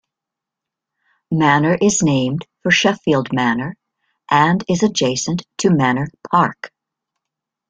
Manor is named for Sheffield Manor and is adjacent to Manor Park.